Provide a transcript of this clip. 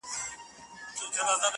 زما ځوانمرگ وماته وايي،